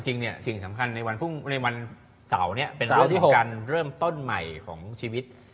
จริงสิ่งสำคัญในวันเศร้าเป็นเรื่องของการเริ่มต้นใหม่ของชีวิต